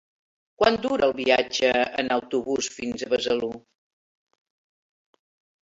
Quant dura el viatge en autobús fins a Besalú?